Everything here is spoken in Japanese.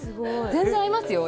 全然合いますよ。